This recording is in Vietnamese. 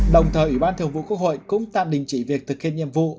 đồng thời ủy ban thường vụ quốc hội cũng tạm đình chỉ việc thực hiện nhiệm vụ